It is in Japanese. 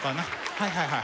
はいはいはい。